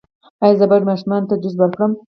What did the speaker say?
ایا زه باید ماشوم ته جوس ورکړم؟